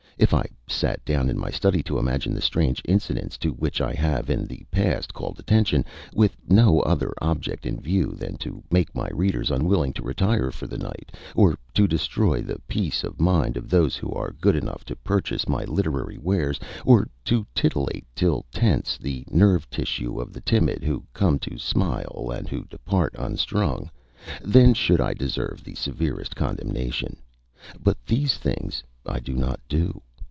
If I sat down in my study to imagine the strange incidents to which I have in the past called attention, with no other object in view than to make my readers unwilling to retire for the night, to destroy the peace of mind of those who are good enough to purchase my literary wares, or to titillate till tense the nerve tissue of the timid who come to smile and who depart unstrung, then should I deserve the severest condemnation; but these things I do not do.